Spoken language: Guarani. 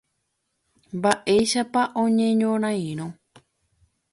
mba'éichapa oñeñorãirõ